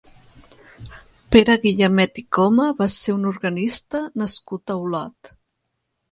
Pere Guillamet i Coma va ser un organista nascut a Olot.